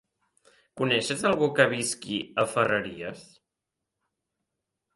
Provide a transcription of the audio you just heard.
Coneixes algú que visqui a Ferreries?